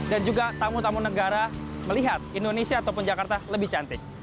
dan juga tamu tamu negara melihat indonesia ataupun jakarta lebih cantik